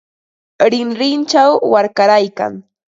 Rinrinchaw warkaraykan.